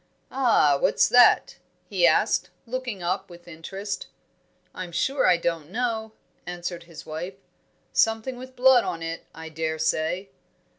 "Ah, what's that?" he asked, looking up with interest. "I'm sure I don't know," answered his wife. "Something with blood on it, I dare say."